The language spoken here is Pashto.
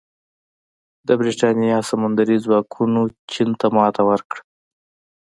د برېټانیا سمندري ځواکونو چین ته ماتې ورکړه.